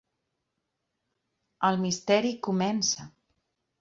El misteri comença.